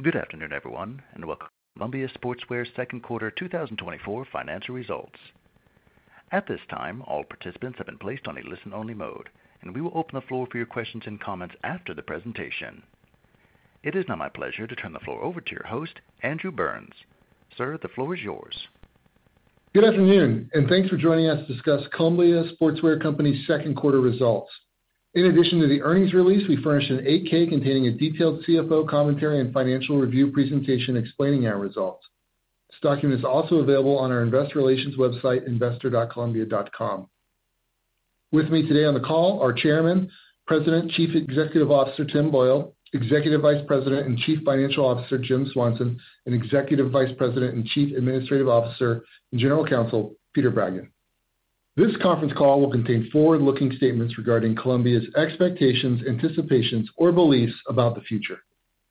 Good afternoon, everyone, and welcome to Columbia Sportswear's second quarter 2024 financial results. At this time, all participants have been placed on a listen-only mode, and we will open the floor for your questions and comments after the presentation. It is now my pleasure to turn the floor over to your host, Andrew Burns. Sir, the floor is yours. Good afternoon, and thanks for joining us to discuss Columbia Sportswear Company's second quarter results. In addition to the earnings release, we furnish an 8-K containing a detailed CFO commentary and financial review presentation explaining our results. This document is also available on our Investor Relations website, investor.columbia.com. With me today on the call are Chairman, President, Chief Executive Officer Tim Boyle, Executive Vice President and Chief Financial Officer Jim Swanson, and Executive Vice President and Chief Administrative Officer and General Counsel Peter Bragdon. This conference call will contain forward-looking statements regarding Columbia's expectations, anticipations, or beliefs about the future.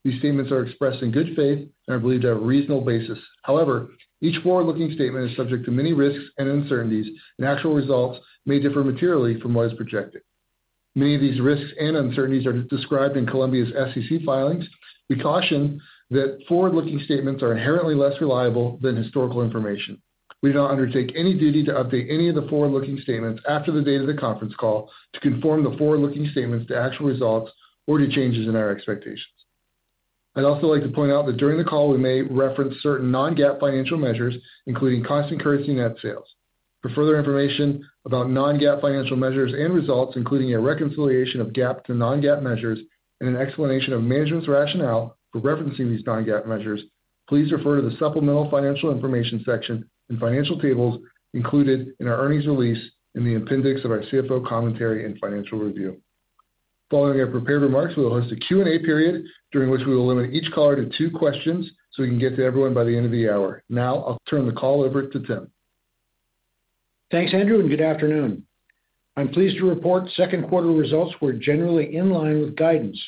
These statements are expressed in good faith and are believed to have a reasonable basis. However, each forward-looking statement is subject to many risks and uncertainties, and actual results may differ materially from what is projected. Many of these risks and uncertainties are described in Columbia's SEC filings. We caution that forward-looking statements are inherently less reliable than historical information. We do not undertake any duty to update any of the forward-looking statements after the date of the conference call to conform the forward-looking statements to actual results or to changes in our expectations. I'd also like to point out that during the call, we may reference certain non-GAAP financial measures, including constant-currency net sales. For further information about non-GAAP financial measures and results, including a reconciliation of GAAP to non-GAAP measures and an explanation of management's rationale for referencing these non-GAAP measures, please refer to the Supplemental Financial Information section and financial tables included in our earnings release in the appendix of our CFO commentary and financial review. Following our prepared remarks, we will host a Q&A period during which we will limit each caller to two questions so we can get to everyone by the end of the hour. Now, I'll turn the call over to Tim. Thanks, Andrew, and good afternoon. I'm pleased to report second quarter results were generally in line with guidance.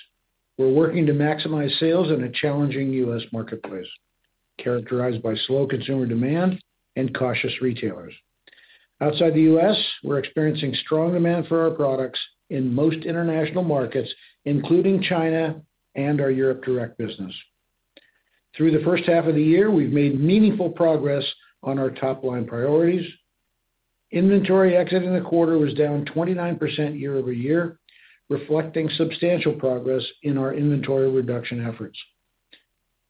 We're working to maximize sales in a challenging U.S. marketplace characterized by slow consumer demand and cautious retailers. Outside the U.S., we're experiencing strong demand for our products in most international markets, including China and our Europe direct business. Through the first half of the year, we've made meaningful progress on our top line priorities. Inventory exiting the quarter was down 29% year-over-year, reflecting substantial progress in our inventory reduction efforts.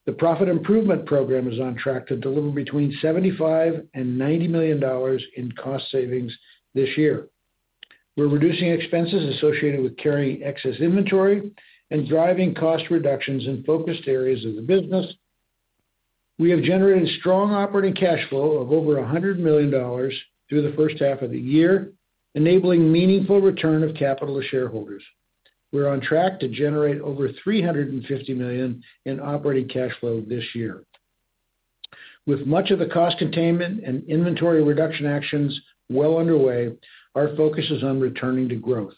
The Profit Improvement Program is on track to deliver between $75 million and $90 million in cost savings this year. We're reducing expenses associated with carrying excess inventory and driving cost reductions in focused areas of the business. We have generated strong operating cash flow of over $100 million through the first half of the year, enabling meaningful return of capital to shareholders. We're on track to generate over $350 million in operating cash flow this year. With much of the cost containment and inventory reduction actions well underway, our focus is on returning to growth.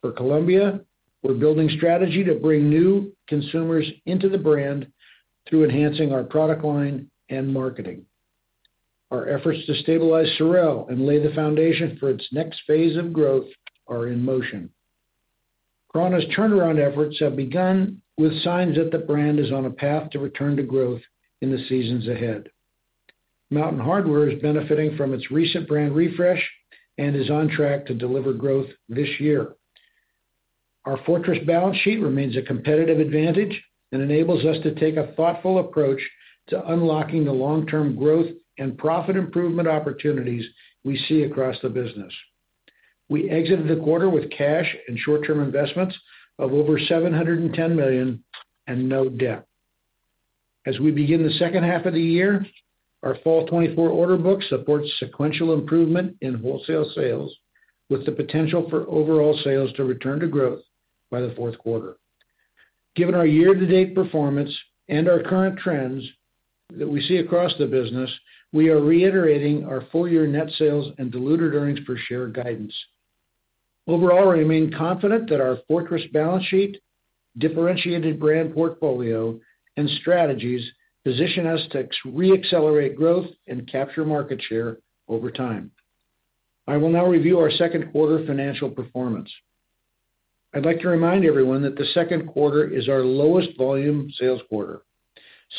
For Columbia, we're building strategy to bring new consumers into the brand through enhancing our product line and marketing. Our efforts to stabilize Sorel and lay the foundation for its next phase of growth are in motion. prAna's turnaround efforts have begun, with signs that the brand is on a path to return to growth in the seasons ahead. Mountain Hardwear is benefiting from its recent brand refresh and is on track to deliver growth this year. Our fortress balance sheet remains a competitive advantage and enables us to take a thoughtful approach to unlocking the long-term growth and profit improvement opportunities we see across the business. We exited the quarter with cash and short-term investments of over $710 million and no debt. As we begin the second half of the year, our Fall 2024 order book supports sequential improvement in wholesale sales, with the potential for overall sales to return to growth by the fourth quarter. Given our year-to-date performance and our current trends that we see across the business, we are reiterating our full-year net sales and diluted earnings per share guidance. Overall, we remain confident that our fortress balance sheet, differentiated brand portfolio, and strategies position us to re-accelerate growth and capture market share over time. I will now review our second quarter financial performance. I'd like to remind everyone that the second quarter is our lowest volume sales quarter.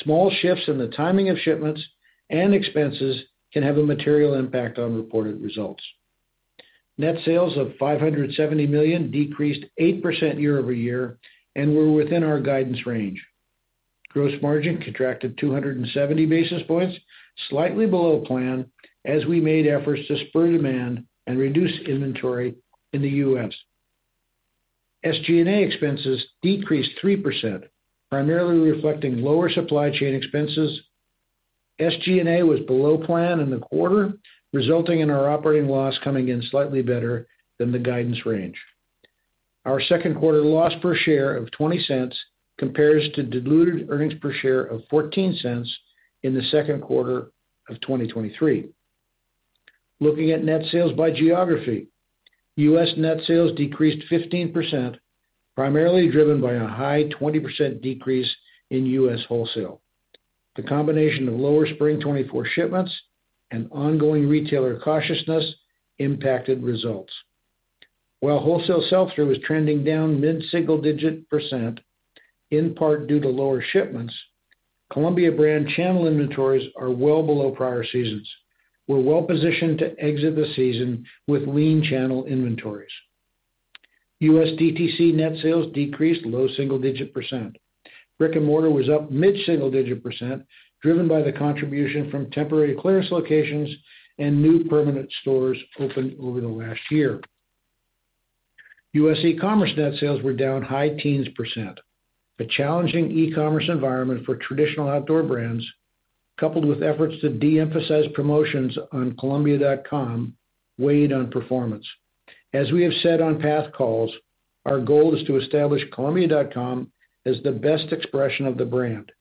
Small shifts in the timing of shipments and expenses can have a material impact on reported results. Net sales of $570 million decreased 8% year-over-year, and we're within our guidance range. Gross margin contracted 270 basis points, slightly below plan, as we made efforts to spur demand and reduce inventory in the U.S. SG&A expenses decreased 3%, primarily reflecting lower supply chain expenses. SG&A was below plan in the quarter, resulting in our operating loss coming in slightly better than the guidance range. Our second quarter loss per share of $0.20 compares to diluted earnings per share of $0.14 in the second quarter of 2023. Looking at net sales by geography, U.S. net sales decreased 15%, primarily driven by a high 20% decrease in U.S. wholesale. The combination of lower Spring 2024 shipments and ongoing retailer cautiousness impacted results. While wholesale sell-through was trending down mid-single-digit %, in part due to lower shipments, Columbia brand channel inventories are well below prior seasons. We're well positioned to exit the season with lean channel inventories. U.S. DTC net sales decreased low single-digit %. Brick-and-mortar was up mid-single-digit %, driven by the contribution from temporary clearance locations and new permanent stores opened over the last year. U.S. e-commerce net sales were down high-teens %. A challenging e-commerce environment for traditional outdoor brands, coupled with efforts to de-emphasize promotions on Columbia.com, weighed on performance. As we have said on past calls, our goal is to establish Columbia.com as the best expression of the brand,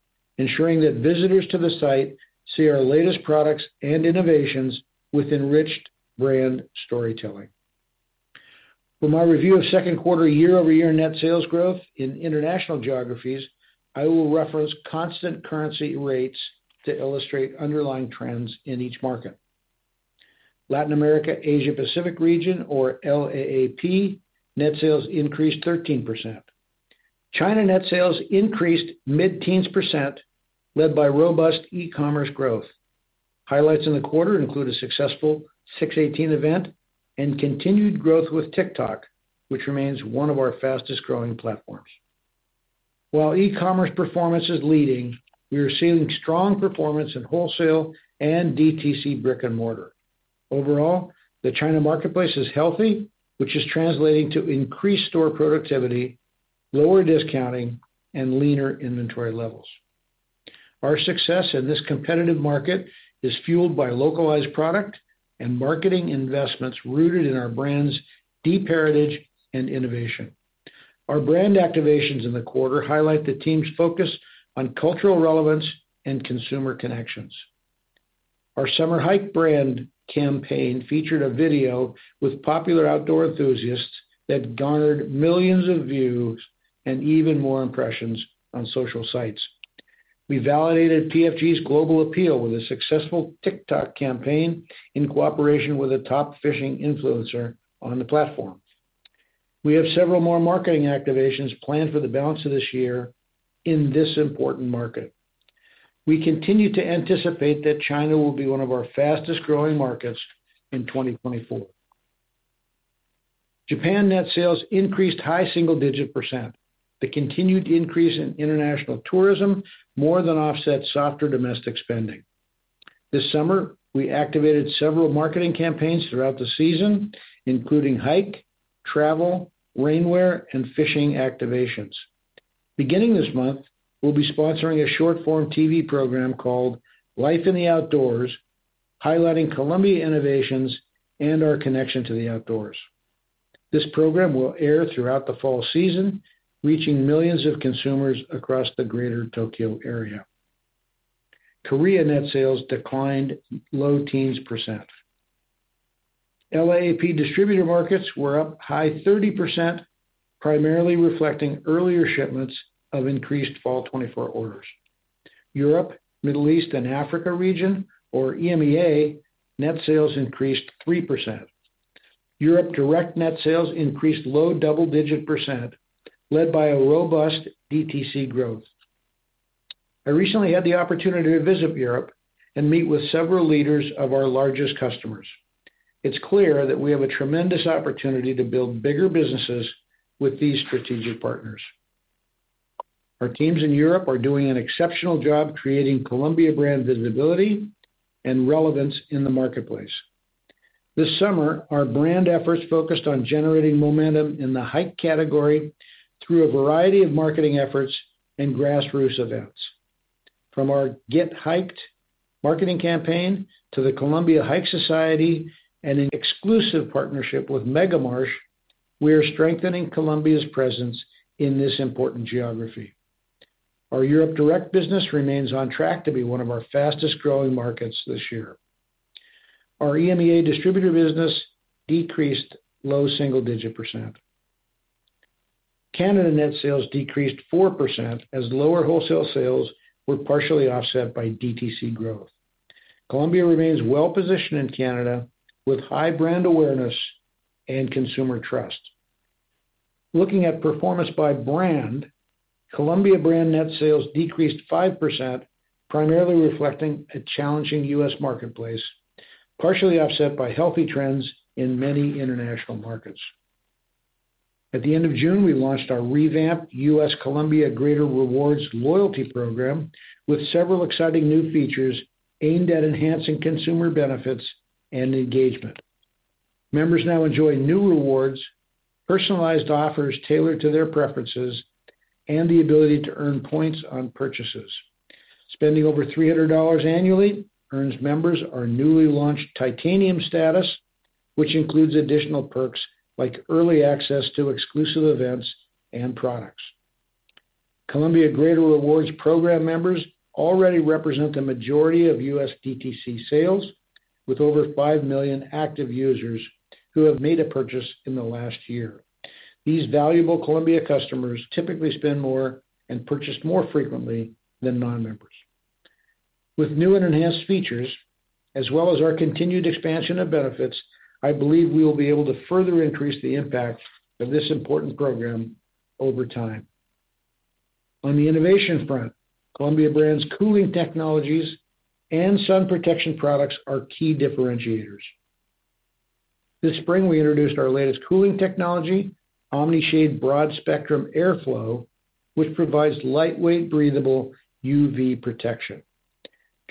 ensuring that visitors to the site see our latest products and innovations with enriched brand storytelling. From our review of second quarter year-over-year net sales growth in international geographies, I will reference constant currency rates to illustrate underlying trends in each market. Latin America-Asia-Pacific region, or LAAP, net sales increased 13%. China net sales increased mid-teens%, led by robust e-commerce growth. Highlights in the quarter include a successful 618 event and continued growth with TikTok, which remains one of our fastest-growing platforms. While e-commerce performance is leading, we are seeing strong performance in wholesale and DTC brick-and-mortar. Overall, the China marketplace is healthy, which is translating to increased store productivity, lower discounting, and leaner inventory levels. Our success in this competitive market is fueled by localized product and marketing investments rooted in our brand's deep heritage and innovation. Our brand activations in the quarter highlight the team's focus on cultural relevance and consumer connections. Our Summer Hike brand campaign featured a video with popular outdoor enthusiasts that garnered millions of views and even more impressions on social sites. We validated PFG's global appeal with a successful TikTok campaign in cooperation with a top fishing influencer on the platform. We have several more marketing activations planned for the balance of this year in this important market. We continue to anticipate that China will be one of our fastest-growing markets in 2024. Japan net sales increased high single-digit %. The continued increase in international tourism more than offsets softer domestic spending. This summer, we activated several marketing campaigns throughout the season, including hike, travel, rainwear, and fishing activations. Beginning this month, we'll be sponsoring a short-form TV program called Life in the Outdoors, highlighting Columbia innovations and our connection to the outdoors. This program will air throughout the fall season, reaching millions of consumers across the Greater Tokyo area. Korea net sales declined low teens%. LAAP distributor markets were up high 30%, primarily reflecting earlier shipments of increased Fall 2024 orders. Europe, Middle East, and Africa region, or EMEA, net sales increased 3%. Europe direct net sales increased low double-digit%, led by a robust DTC growth. I recently had the opportunity to visit Europe and meet with several leaders of our largest customers. It's clear that we have a tremendous opportunity to build bigger businesses with these strategic partners. Our teams in Europe are doing an exceptional job creating Columbia brand visibility and relevance in the marketplace. This summer, our brand efforts focused on generating momentum in the hike category through a variety of marketing efforts and grassroots events. From our Get Hiked marketing campaign to the Columbia Hike Society and an exclusive partnership with Megamarsch, we are strengthening Columbia's presence in this important geography. Our Europe direct business remains on track to be one of our fastest-growing markets this year. Our EMEA distributor business decreased low single-digit %. Canada net sales decreased 4% as lower wholesale sales were partially offset by DTC growth. Columbia remains well positioned in Canada with high brand awareness and consumer trust. Looking at performance by brand, Columbia brand net sales decreased 5%, primarily reflecting a challenging U.S. marketplace, partially offset by healthy trends in many international markets. At the end of June, we launched our revamped U.S. Columbia Greater Rewards loyalty program with several exciting new features aimed at enhancing consumer benefits and engagement. Members now enjoy new rewards, personalized offers tailored to their preferences, and the ability to earn points on purchases. Spending over $300 annually earns members our newly launched Titanium status, which includes additional perks like early access to exclusive events and products. Columbia Greater Rewards program members already represent the majority of U.S. DTC sales, with over 5 million active users who have made a purchase in the last year. These valuable Columbia customers typically spend more and purchase more frequently than non-members. With new and enhanced features, as well as our continued expansion of benefits, I believe we will be able to further increase the impact of this important program over time. On the innovation front, Columbia brand's cooling technologies and sun protection products are key differentiators. This spring, we introduced our latest cooling technology, Omni-Shade Broad Spectrum Airflow, which provides lightweight, breathable UV protection.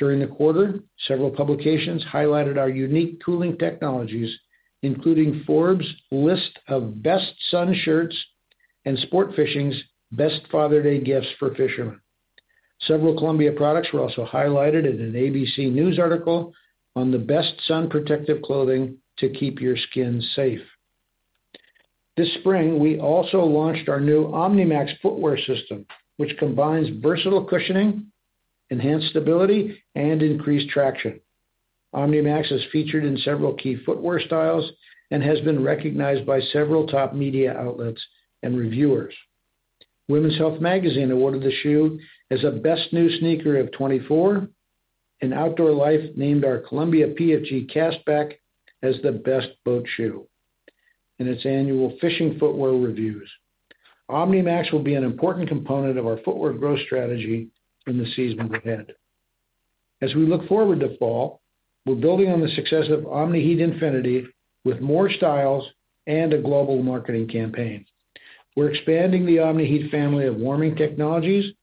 During the quarter, several publications highlighted our unique cooling technologies, including Forbes' list of best sun shirts and Sport Fishing's best Father's Day gifts for fishermen. Several Columbia products were also highlighted in an ABC News article on the best sun protective clothing to keep your skin safe. This spring, we also launched our new Omni-MAX footwear system, which combines versatile cushioning, enhanced stability, and increased traction. Omni-MAX is featured in several key footwear styles and has been recognized by several top media outlets and reviewers. Women's Health magazine awarded the shoe as a Best New Sneaker of 2024, and Outdoor Life named our Columbia PFG Castback as the Best Boat Shoe in its annual Fishing Footwear Reviews. Omni-MAX will be an important component of our footwear growth strategy in the seasons ahead. As we look forward to Fall, we're building on the success of Omni-Heat Infinity with more styles and a global marketing campaign. We're expanding the Omni-Heat family of warming technologies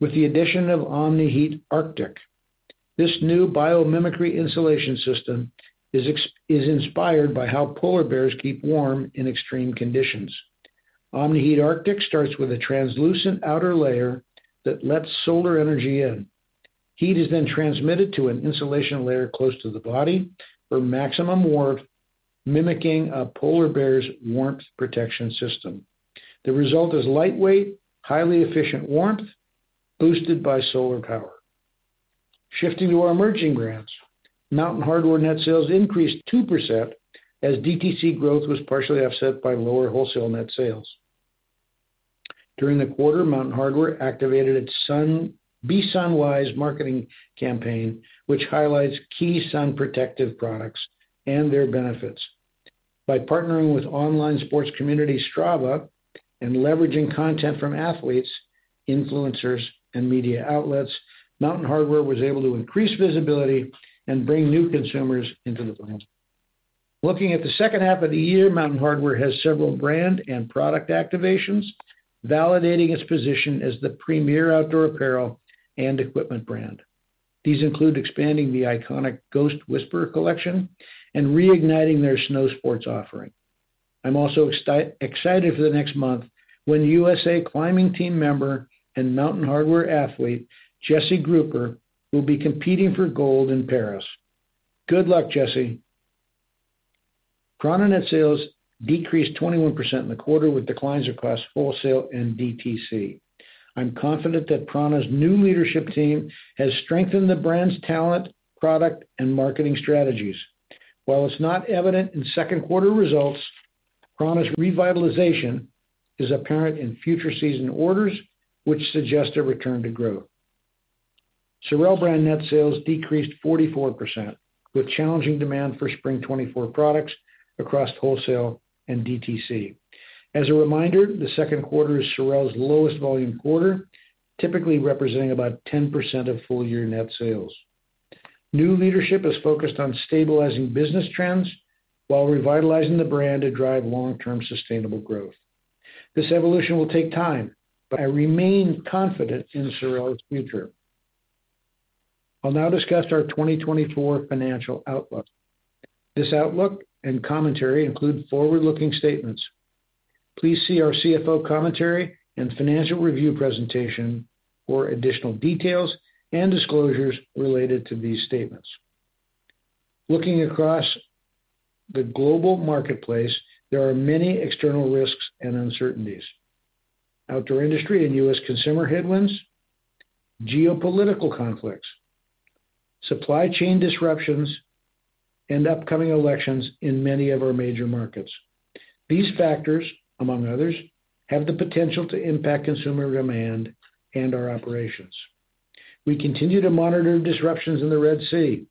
with the addition of Omni-Heat Arctic. This new biomimicry insulation system is inspired by how polar bears keep warm in extreme conditions. Omni-Heat Arctic starts with a translucent outer layer that lets solar energy in. Heat is then transmitted to an insulation layer close to the body for maximum warmth, mimicking a polar bear's warmth protection system. The result is lightweight, highly efficient warmth boosted by solar power. Shifting to our emerging brands, Mountain Hardwear net sales increased 2% as DTC growth was partially offset by lower wholesale net sales. During the quarter, Mountain Hardwear activated its Be Sunwise marketing campaign, which highlights key sun protective products and their benefits. By partnering with online sports community Strava and leveraging content from athletes, influencers, and media outlets, Mountain Hardwear was able to increase visibility and bring new consumers into the brand. Looking at the second half of the year, Mountain Hardwear has several brand and product activations, validating its position as the premier outdoor apparel and equipment brand. These include expanding the iconic Ghost Whisperer collection and reigniting their snow sports offering. I'm also excited for the next month when USA Climbing Team member and Mountain Hardwear athlete Jesse Grupper will be competing for gold in Paris. Good luck, Jesse. prAna net sales decreased 21% in the quarter with declines across wholesale and DTC. I'm confident that prAna's new leadership team has strengthened the brand's talent, product, and marketing strategies. While it's not evident in second quarter results, prAna's revitalization is apparent in future season orders, which suggest a return to growth. Sorel brand net sales decreased 44%, with challenging demand for Spring 2024 products across wholesale and DTC. As a reminder, the second quarter is Sorel's lowest volume quarter, typically representing about 10% of full-year net sales. New leadership is focused on stabilizing business trends while revitalizing the brand to drive long-term sustainable growth. This evolution will take time, but I remain confident in Sorel's future. I'll now discuss our 2024 financial outlook. This outlook and commentary include forward-looking statements. Please see our CFO commentary and financial review presentation for additional details and disclosures related to these statements. Looking across the global marketplace, there are many external risks and uncertainties: outdoor industry and U.S. consumer headwinds, geopolitical conflicts, supply chain disruptions, and upcoming elections in many of our major markets. These factors, among others, have the potential to impact consumer demand and our operations. We continue to monitor disruptions in the Red Sea.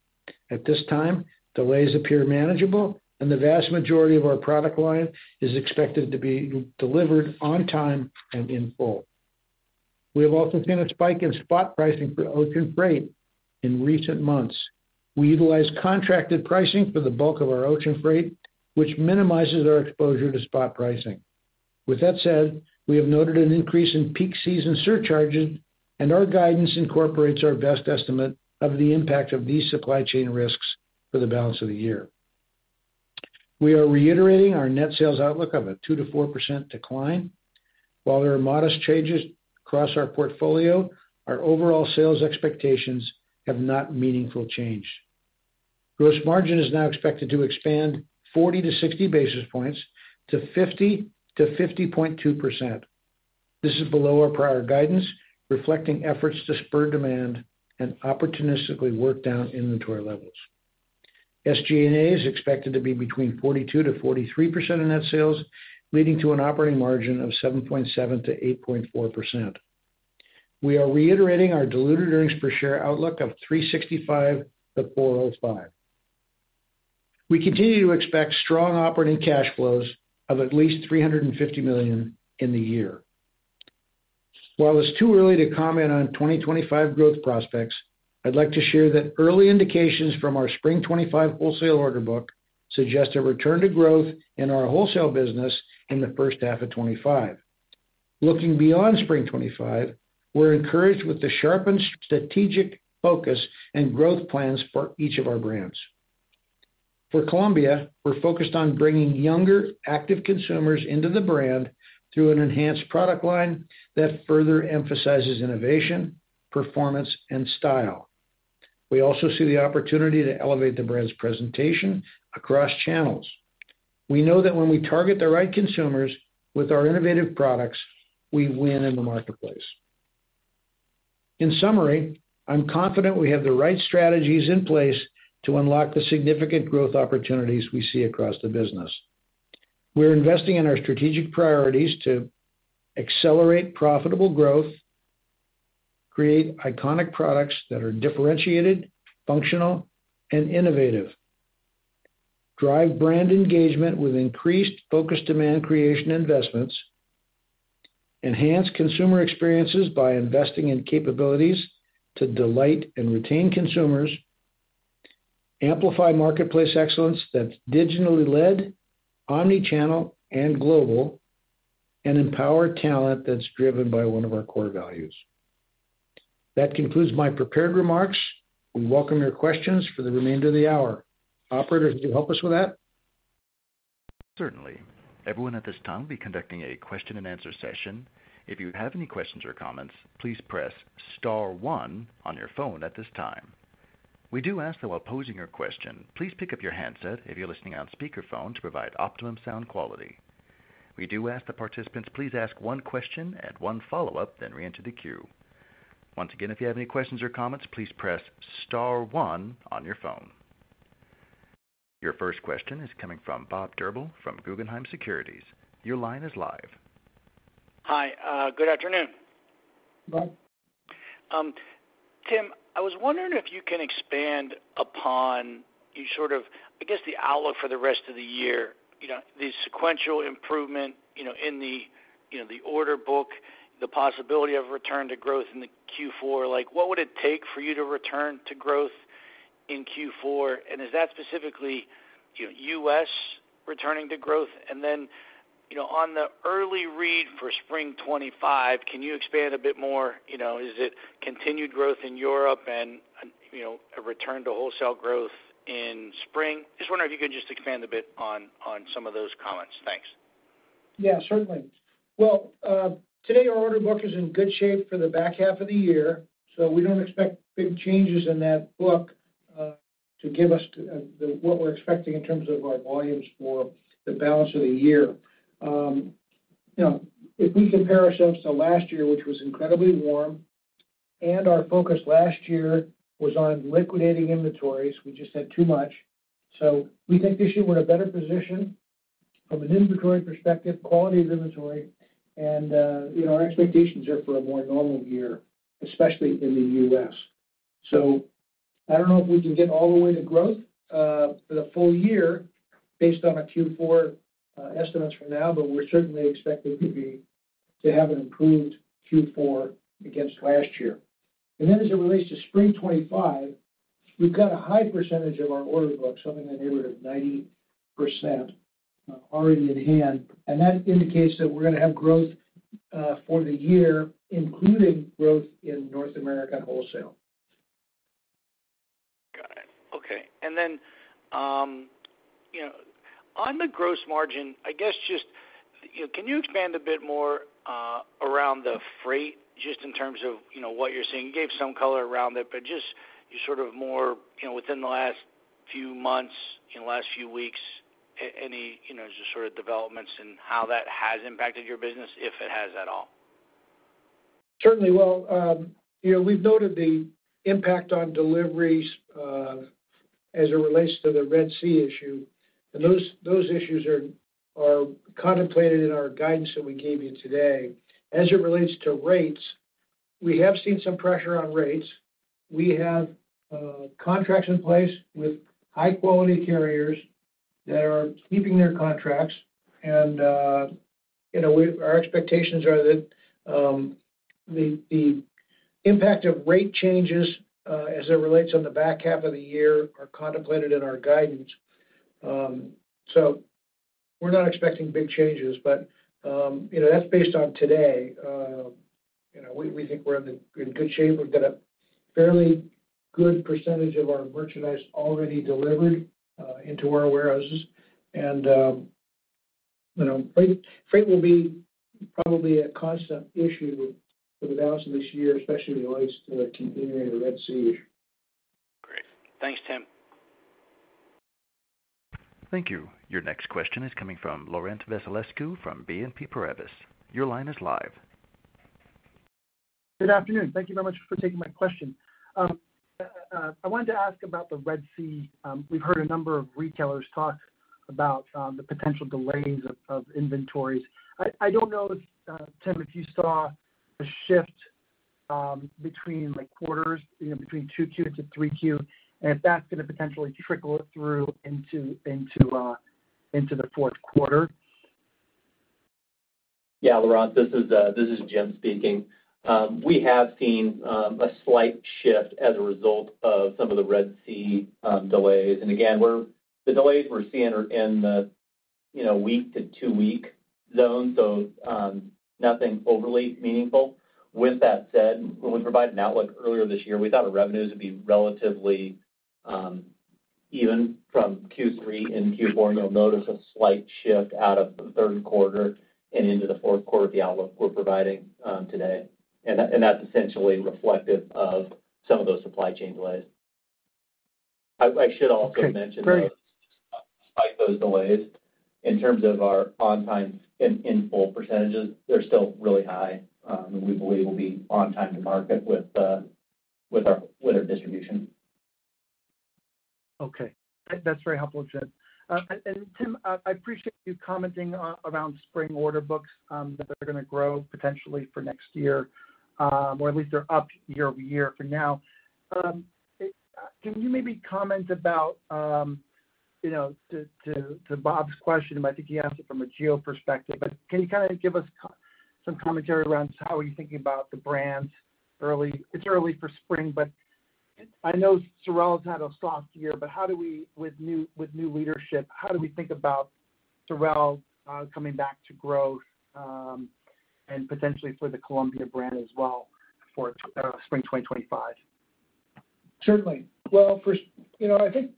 At this time, delays appear manageable, and the vast majority of our product line is expected to be delivered on time and in full. We have also seen a spike in spot pricing for ocean freight in recent months. We utilize contracted pricing for the bulk of our ocean freight, which minimizes our exposure to spot pricing. With that said, we have noted an increase in peak season surcharges, and our guidance incorporates our best estimate of the impact of these supply chain risks for the balance of the year. We are reiterating our net sales outlook of a 2%-4% decline. While there are modest changes across our portfolio, our overall sales expectations have not meaningfully changed. Gross margin is now expected to expand 40-60 basis points to 50%-50.2%. This is below our prior guidance, reflecting efforts to spur demand and opportunistically work down inventory levels. SG&A is expected to be between 42%-43% of net sales, leading to an operating margin of 7.7%-8.4%. We are reiterating our diluted earnings per share outlook of 365-405. We continue to expect strong operating cash flows of at least $350 million in the year. While it's too early to comment on 2025 growth prospects, I'd like to share that early indications from our Spring 2025 wholesale order book suggest a return to growth in our wholesale business in the first half of 2025. Looking beyond Spring 2025, we're encouraged with the sharpened strategic focus and growth plans for each of our brands. For Columbia, we're focused on bringing younger active consumers into the brand through an enhanced product line that further emphasizes innovation, performance, and style. We also see the opportunity to elevate the brand's presentation across channels. We know that when we target the right consumers with our innovative products, we win in the marketplace. In summary, I'm confident we have the right strategies in place to unlock the significant growth opportunities we see across the business. We're investing in our strategic priorities to accelerate profitable growth, create iconic products that are differentiated, functional, and innovative, drive brand engagement with increased focus demand creation investments, enhance consumer experiences by investing in capabilities to delight and retain consumers, amplify marketplace excellence that's digitally led, omnichannel, and global, and empower talent that's driven by one of our core values. That concludes my prepared remarks. We welcome your questions for the remainder of the hour. Operator, could you help us with that? Certainly. Everyone at this time will be conducting a question-and-answer session. If you have any questions or comments, please press Star 1 on your phone at this time. We do ask that while posing your question, please pick up your handset if you're listening on speakerphone to provide optimum sound quality. We do ask the participants please ask one question and one follow-up, then re-enter the queue. Once again, if you have any questions or comments, please press Star 1 on your phone. Your first question is coming from Robert Drbul from Guggenheim Securities. Your line is live. Hi. Good afternoon. Good morning. Tim, I was wondering if you can expand upon your sort of, I guess, the outlook for the rest of the year, the sequential improvement in the order book, the possibility of return to growth in Q4. What would it take for you to return to growth in Q4? And is that specifically U.S. returning to growth? And then on the early read for Spring 2025, can you expand a bit more? Is it continued growth in Europe and a return to wholesale growth in Spring? Just wondering if you could just expand a bit on some of those comments. Thanks. Yeah, certainly. Well, today, our order book is in good shape for the back half of the year, so we don't expect big changes in that book to give us what we're expecting in terms of our volumes for the balance of the year. If we compare ourselves to last year, which was incredibly warm, and our focus last year was on liquidating inventories, we just had too much. So we think this year we're in a better position from an inventory perspective, quality of inventory, and our expectations are for a more normal year, especially in the U.S. So I don't know if we can get all the way to growth for the full year based on our Q4 estimates for now, but we're certainly expecting to have an improved Q4 against last year. And then as it relates to Spring 2025, we've got a high percentage of our order book, something in the neighborhood of 90%, already in hand. And that indicates that we're going to have growth for the year, including growth in North America wholesale. Got it. Okay. And then on the gross margin, I guess just can you expand a bit more around the freight just in terms of what you're seeing? You gave some color around it, but just sort of more within the last few months, last few weeks, any just sort of developments in how that has impacted your business, if it has at all? Certainly. Well, we've noted the impact on deliveries as it relates to the Red Sea issue. And those issues are contemplated in our guidance that we gave you today. As it relates to rates, we have seen some pressure on rates. We have contracts in place with high-quality carriers that are keeping their contracts. Our expectations are that the impact of rate changes as it relates on the back half of the year are contemplated in our guidance. So we're not expecting big changes, but that's based on today. We think we're in good shape. We've got a fairly good percentage of our merchandise already delivered into our warehouses. Freight will be probably a constant issue for the balance of this year, especially relates to the continuing Red Sea issue. Great. Thanks, Tim. Thank you. Your next question is coming from Laurent Vasilescu from BNP Paribas. Your line is live. Good afternoon. Thank you very much for taking my question. I wanted to ask about the Red Sea. We've heard a number of retailers talk about the potential delays of inventories. I don't know, Tim, if you saw a shift between quarters, between 2Q to 3Q, and if that's going to potentially trickle through into the fourth quarter. Yeah, Laurent, this is Jim speaking. We have seen a slight shift as a result of some of the Red Sea delays. And again, the delays we're seeing are in the 1-week to 2-week zone. So nothing overly meaningful. With that said, when we provided an outlook earlier this year, we thought our revenues would be relatively even from Q3 and Q4. You'll notice a slight shift out of the third quarter and into the fourth quarter of the outlook we're providing today. And that's essentially reflective of some of those supply chain delays. I should also mention that despite those delays, in terms of our on-time in full percentages, they're still really high. We believe we'll be on-time to market with our distribution. Okay. That's very helpful, Jim. And Tim, I appreciate you commenting around spring order books that are going to grow potentially for next year, or at least they're up year-over-year for now. Can you maybe comment about, to Bob's question, I think he asked it from a geo perspective, but can you kind of give us some commentary around how are you thinking about the brand's early? It's early for spring, but I know Sorel's had a soft year, but with new leadership, how do we think about Sorel coming back to growth and potentially for the Columbia brand as well for Spring 2025? Certainly. Well, I think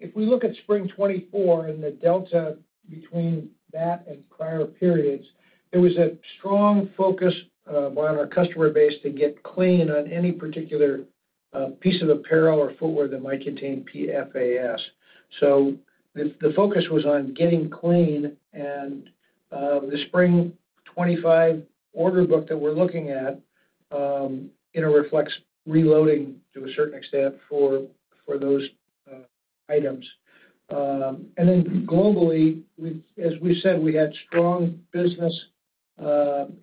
if we look at Spring 2024 and the delta between that and prior periods, there was a strong focus on our customer base to get clean on any particular piece of apparel or footwear that might contain PFAS. So the focus was on getting clean. The Spring 2025 order book that we're looking at reflects reloading to a certain extent for those items. Then globally, as we said, we had strong business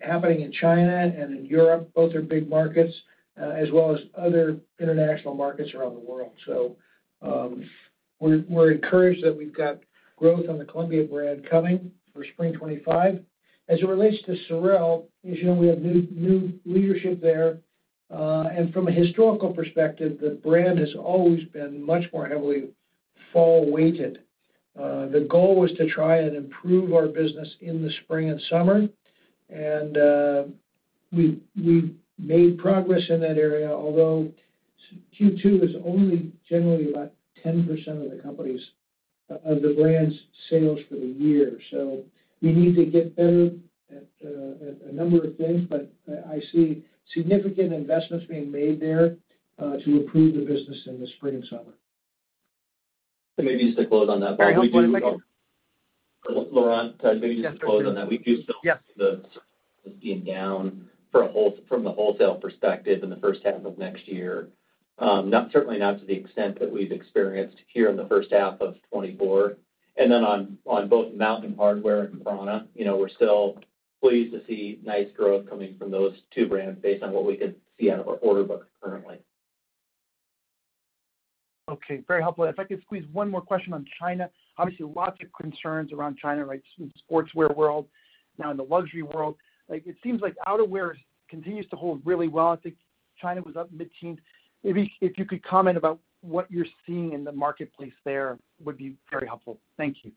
happening in China and in Europe, both their big markets, as well as other international markets around the world. So we're encouraged that we've got growth on the Columbia brand coming for Spring 2025. As it relates to Sorel, as you know, we have new leadership there. From a historical perspective, the brand has always been much more heavily fall-weighted. The goal was to try and improve our business in the spring and summer. We've made progress in that area, although Q2 is only generally about 10% of the company's of the brand's sales for the year. We need to get better at a number of things, but I see significant investments being made there to improve the business in the spring and summer. Maybe just to close on that, Bob, we do still, Laurent, maybe just to close on that. We do still see a down from the wholesale perspective in the first half of next year, certainly not to the extent that we've experienced here in the first half of 2024. Then on both Mountain Hardwear and prAna, we're still pleased to see nice growth coming from those two brands based on what we can see out of our order books currently. Okay. Very helpful. If I could squeeze one more question on China. Obviously, lots of concerns around China, right? Sportswear world, now in the luxury world. It seems like outerwear continues to hold really well. I think China was up mid-teens. Maybe if you could comment about what you're seeing in the marketplace there would be very helpful. Thank you.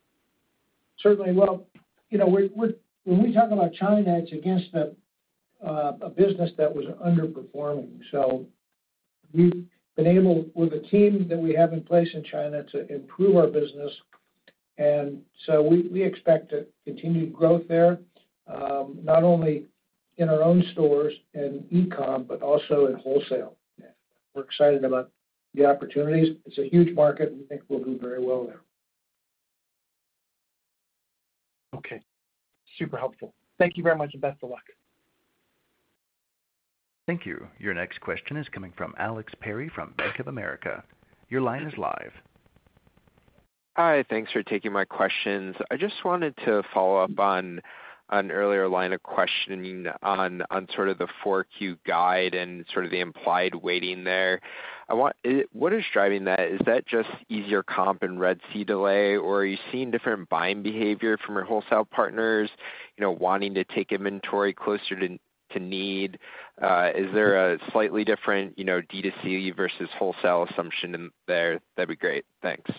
Certainly. Well, when we talk about China, it's against a business that was underperforming. So we've been able, with the team that we have in place in China, to improve our business. And so we expect continued growth there, not only in our own stores and e-com, but also in wholesale. We're excited about the opportunities. It's a huge market, and we think we'll do very well there. Okay. Super helpful. Thank you very much and best of luck. Thank you. Your next question is coming from Alex Perry from Bank of America. Your line is live. Hi. Thanks for taking my questions. I just wanted to follow up on an earlier line of questioning on sort of the 4Q guide and sort of the implied weighting there. What is driving that? Is that just easier comp and Red Sea delay, or are you seeing different buying behavior from your wholesale partners wanting to take inventory closer to need? Is there a slightly different DTC versus wholesale assumption there? That'd be great. Thanks.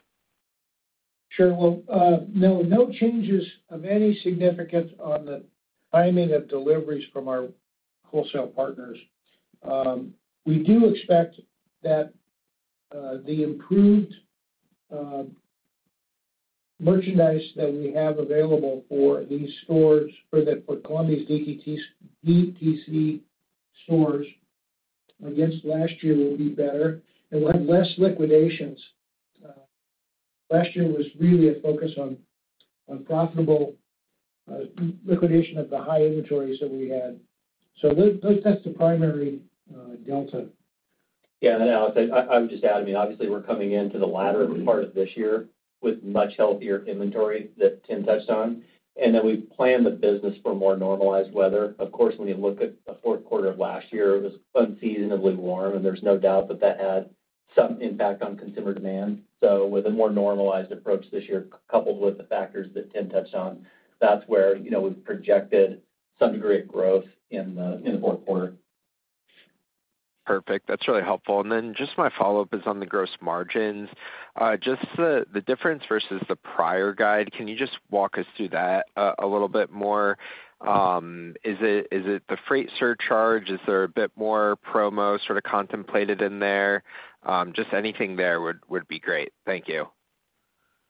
Sure. Well, no changes of any significance on the timing of deliveries from our wholesale partners. We do expect that the improved merchandise that we have available for these stores or for Columbia's DTC stores against last year will be better. And we'll have less liquidations. Last year was really a focus on profitable liquidation of the high inventories that we had. So that's the primary delta. Yeah. Alex, I would just add, I mean, obviously, we're coming into the latter part of this year with much healthier inventory that Tim touched on. And then we plan the business for more normalized weather. Of course, when you look at the fourth quarter of last year, it was unseasonably warm, and there's no doubt that that had some impact on consumer demand. So with a more normalized approach this year, coupled with the factors that Tim touched on, that's where we've projected some degree of growth in the fourth quarter. Perfect. That's really helpful. And then just my follow-up is on the gross margins. Just the difference versus the prior guide, can you just walk us through that a little bit more? Is it the freight surcharge? Is there a bit more promo sort of contemplated in there? Just anything there would be great. Thank you.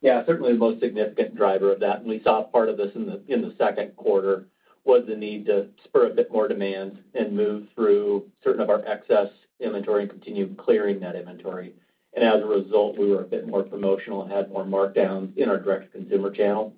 Yeah. Certainly, the most significant driver of that, and we saw part of this in the second quarter, was the need to spur a bit more demand and move through certain of our excess inventory and continue clearing that inventory. And as a result, we were a bit more promotional and had more markdowns in our direct-to-consumer channel.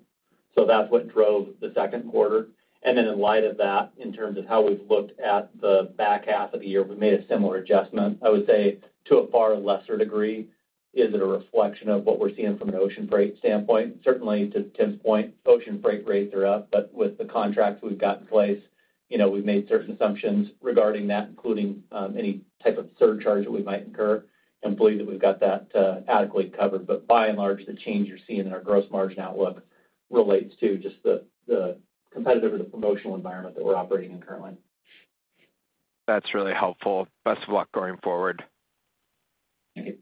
So that's what drove the second quarter. And then in light of that, in terms of how we've looked at the back half of the year, we made a similar adjustment. I would say to a far lesser degree, is it a reflection of what we're seeing from an ocean freight standpoint? Certainly, to Tim's point, ocean freight rates are up, but with the contracts we've got in place, we've made certain assumptions regarding that, including any type of surcharge that we might incur, and believe that we've got that adequately covered. But by and large, the change you're seeing in our gross margin outlook relates to just the competitive or the promotional environment that we're operating in currently. That's really helpful. Best of luck going forward. Thank you.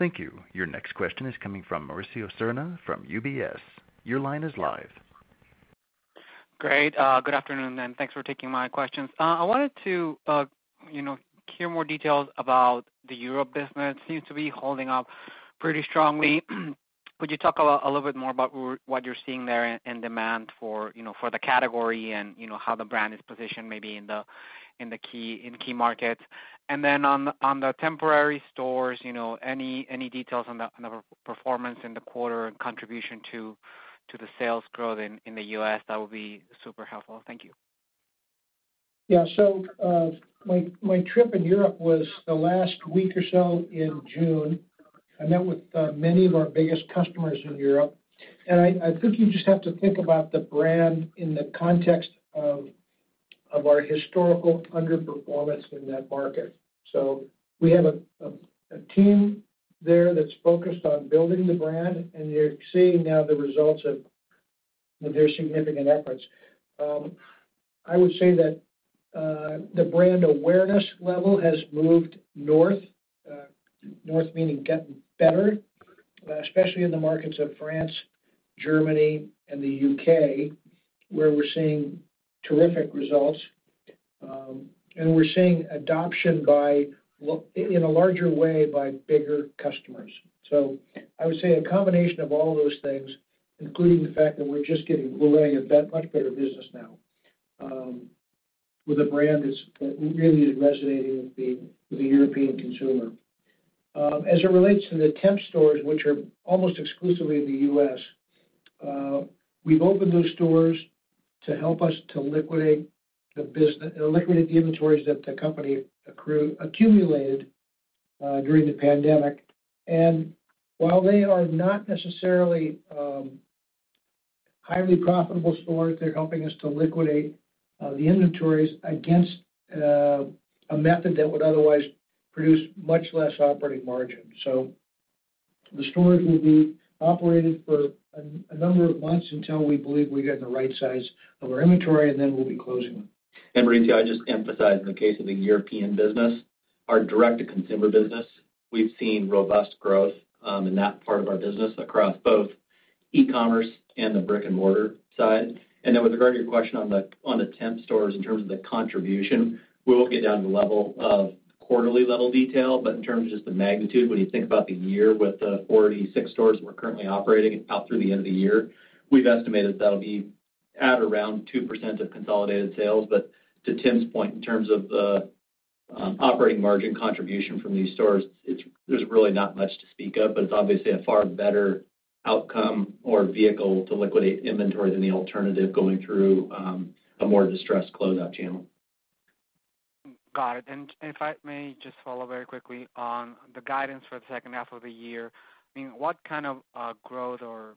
Thank you. Your next question is coming from Mauricio Serna from UBS. Your line is live. Great. Good afternoon, and thanks for taking my questions. I wanted to hear more details about the Europe business. Seems to be holding up pretty strongly. Could you talk a little bit more about what you're seeing there in demand for the category and how the brand is positioned maybe in the key markets? And then on the temporary stores, any details on the performance in the quarter and contribution to the sales growth in the U.S.? That would be super helpful. Thank you. Yeah. My trip in Europe was the last week or so in June. I met with many of our biggest customers in Europe. I think you just have to think about the brand in the context of our historical underperformance in that market. We have a team there that's focused on building the brand, and you're seeing now the results of their significant efforts. I would say that the brand awareness level has moved north, north meaning getting better, especially in the markets of France, Germany, and the UK, where we're seeing terrific results. We're seeing adoption in a larger way by bigger customers. I would say a combination of all those things, including the fact that we're just running a much better business now with a brand that's really resonating with the European consumer. As it relates to the temp stores, which are almost exclusively in the U.S., we've opened those stores to help us to liquidate the inventories that the company accumulated during the pandemic. While they are not necessarily highly profitable stores, they're helping us to liquidate the inventories against a method that would otherwise produce much less operating margin. The stores will be operated for a number of months until we believe we get the right size of our inventory, and then we'll be closing them. Mauricio, I just emphasize the case of the European business. Our direct-to-consumer business, we've seen robust growth in that part of our business across both e-commerce and the brick-and-mortar side. With regard to your question on the temp stores in terms of the contribution, we will get down to the level of quarterly level detail, but in terms of just the magnitude, when you think about the year with the 46 stores we're currently operating out through the end of the year, we've estimated that'll be at around 2% of consolidated sales. But to Tim's point, in terms of the operating margin contribution from these stores, there's really not much to speak of, but it's obviously a far better outcome or vehicle to liquidate inventory than the alternative going through a more distressed closeout channel. Got it. And if I may just follow very quickly on the guidance for the second half of the year, I mean, what kind of growth or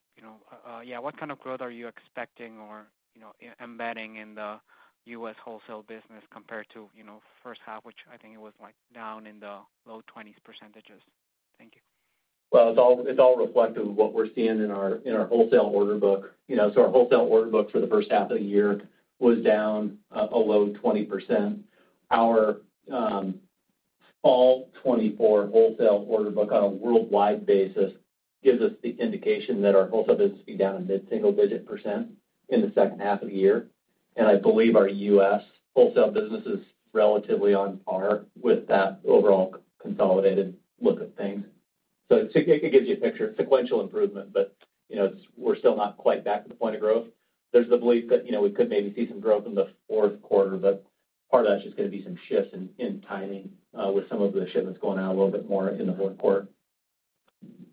yeah, what kind of growth are you expecting or embedding in the U.S. wholesale business compared to first half, which I think it was down in the low 20s%? Thank you. Well, it's all reflective of what we're seeing in our wholesale order book. So our wholesale order book for the first half of the year was down a low 20%. Our fall 2024 wholesale order book on a worldwide basis gives us the indication that our wholesale business will be down a mid-single-digit% in the second half of the year. And I believe our U.S. wholesale business is relatively on par with that overall consolidated look of things. So it gives you a picture of sequential improvement, but we're still not quite back to the point of growth. There's the belief that we could maybe see some growth in the fourth quarter, but part of that's just going to be some shifts in timing with some of the shipments going out a little bit more in the fourth quarter.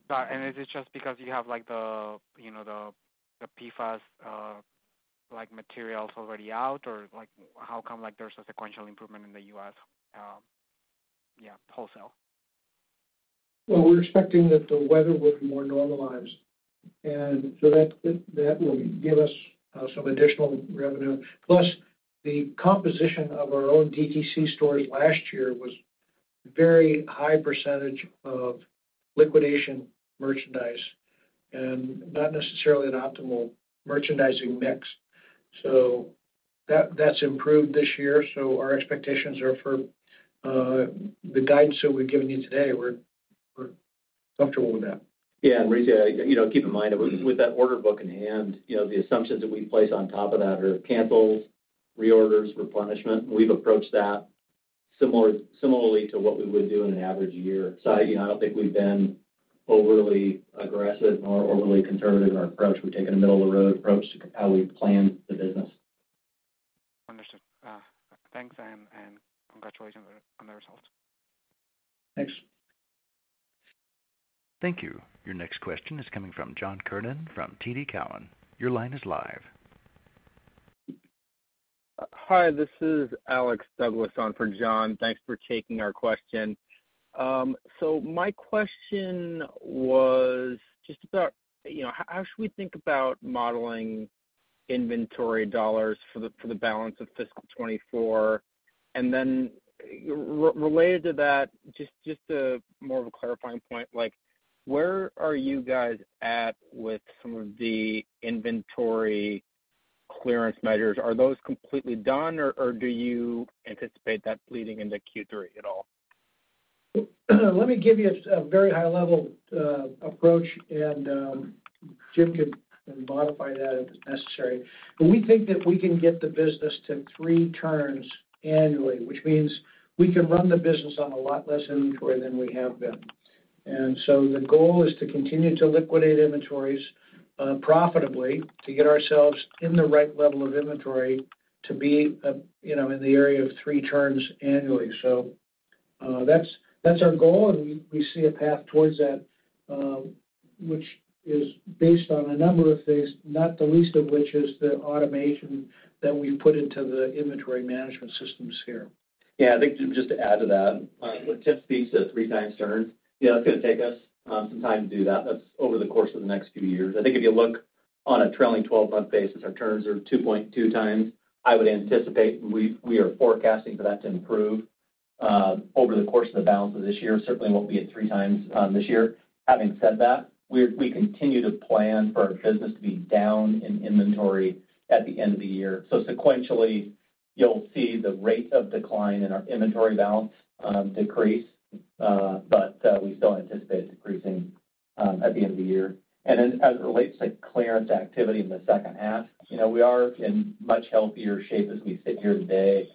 Got it. Is it just because you have the PFAS materials already out, or how come there's a sequential improvement in the U.S., yeah, wholesale? Well, we're expecting that the weather will be more normalized. So that will give us some additional revenue. Plus, the composition of our own DTC stores last year was a very high percentage of liquidation merchandise and not necessarily an optimal merchandising mix. So that's improved this year. So our expectations are for the guidance that we've given you today, we're comfortable with that. Yeah. Mauricio, keep in mind that with that order book in hand, the assumptions that we place on top of that are cancels, reorders, replenishment. We've approached that similarly to what we would do in an average year. So I don't think we've been overly aggressive or overly conservative in our approach. We've taken a middle-of-the-road approach to how we plan the business. Understood. Thanks, and congratulations on the results. Thanks. Thank you. Your next question is coming from John Kernan from TD Cowen. Your line is live. Hi. This is Alex Douglas on for John. Thanks for taking our question. So my question was just about how should we think about modeling inventory dollars for the balance of fiscal 2024? And then related to that, just a more of a clarifying point, where are you guys at with some of the inventory clearance measures? Are those completely done, or do you anticipate that leading into Q3 at all? Let me give you a very high-level approach, and Jim can modify that if it's necessary. But we think that we can get the business to three turns annually, which means we can run the business on a lot less inventory than we have been. And so the goal is to continue to liquidate inventories profitably to get ourselves in the right level of inventory to be in the area of three turns annually. So that's our goal, and we see a path towards that, which is based on a number of things, not the least of which is the automation that we've put into the inventory management systems here. Yeah. I think just to add to that, when Tim speaks of 3 times turns, it's going to take us some time to do that. That's over the course of the next few years. I think if you look on a trailing 12-month basis, our turns are 2.2 times. I would anticipate, and we are forecasting for that to improve over the course of the balance of this year. Certainly, we won't be at 3 times this year. Having said that, we continue to plan for our business to be down in inventory at the end of the year. So sequentially, you'll see the rate of decline in our inventory balance decrease, but we still anticipate decreasing at the end of the year. And then as it relates to clearance activity in the second half, we are in much healthier shape as we sit here today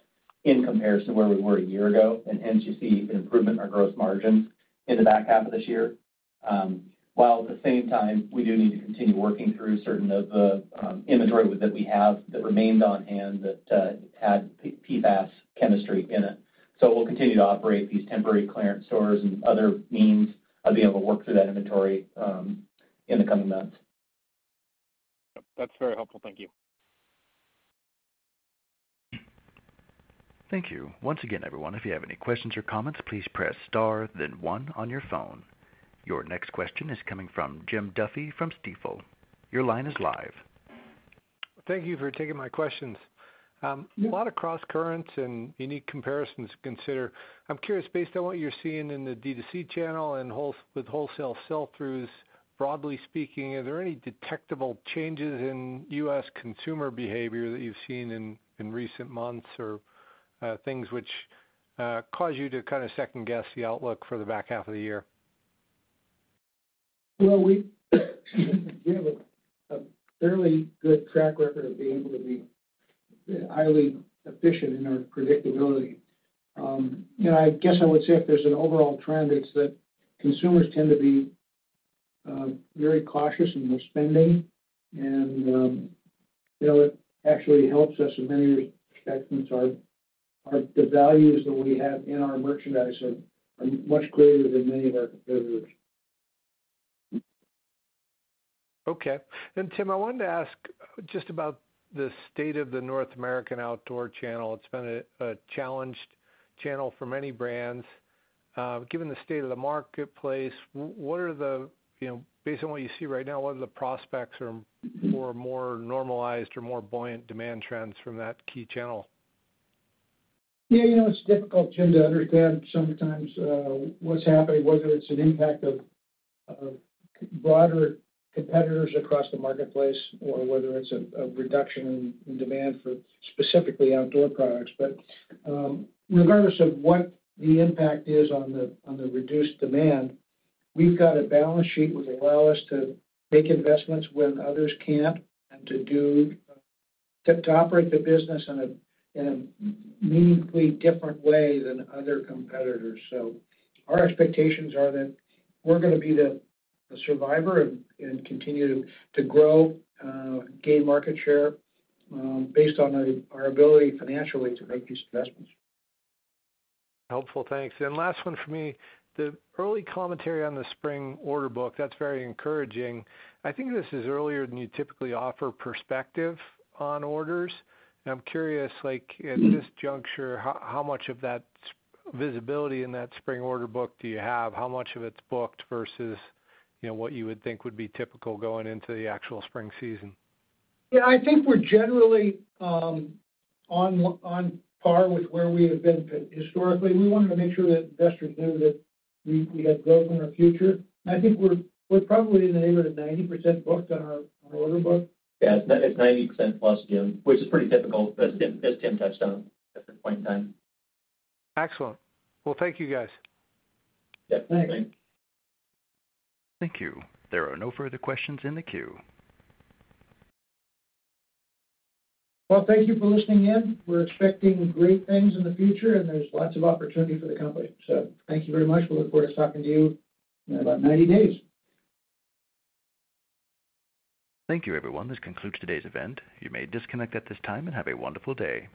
in comparison to where we were a year ago. And hence, you see an improvement in our gross margins in the back half of this year. While at the same time, we do need to continue working through certain of the inventory that we have that remained on hand that had PFAS chemistry in it. So we'll continue to operate these temporary clearance stores and other means of being able to work through that inventory in the coming months. Yep. That's very helpful. Thank you. Thank you. Once again, everyone, if you have any questions or comments, please press star, then one on your phone. Your next question is coming from Jim Duffy from Stifel. Your line is live. Thank you for taking my questions. A lot of cross-currents and unique comparisons to consider. I'm curious, based on what you're seeing in the DTC channel and with wholesale sell-throughs, broadly speaking, are there any detectable changes in U.S. consumer behavior that you've seen in recent months or things which cause you to kind of second-guess the outlook for the back half of the year? Well, we have a fairly good track record of being able to be highly efficient in our predictability. And I guess I would say if there's an overall trend, it's that consumers tend to be very cautious in their spending. And it actually helps us in many respects since the values that we have in our merchandise are much greater than many of our competitors. Okay. And Tim, I wanted to ask just about the state of the North American outdoor channel. It's been a challenged channel for many brands. Given the state of the marketplace, what are they based on what you see right now, what are the prospects for more normalized or more buoyant demand trends from that key channel? Yeah. It's difficult, Tim, to understand sometimes what's happening, whether it's an impact of broader competitors across the marketplace or whether it's a reduction in demand for specifically outdoor products. But regardless of what the impact is on the reduced demand, we've got a balance sheet which allows us to make investments when others can't and to operate the business in a meaningfully different way than other competitors. So our expectations are that we're going to be the survivor and continue to grow, gain market share based on our ability financially to make these investments. Helpful. Thanks. And last one for me, the early commentary on the spring order book, that's very encouraging. I think this is earlier than you typically offer perspective on orders. And I'm curious, at this juncture, how much of that visibility in that spring order book do you have? How much of it's booked versus what you would think would be typical going into the actual spring season? Yeah. I think we're generally on par with where we have been historically. We wanted to make sure that investors knew that we had growth in our future. And I think we're probably in the neighborhood of 90% booked on our order book. Yeah. It's 90% plus, Jim, which is pretty typical, as Tim touched on at this point in time. Excellent. Well, thank you, guys. Yeah. Thanks. Thank you. There are no further questions in the queue. Well, thank you for listening in. We're expecting great things in the future, and there's lots of opportunity for the company. Thank you very much. We look forward to talking to you in about 90 days. Thank you, everyone. This concludes today's event. You may disconnect at this time and have a wonderful day.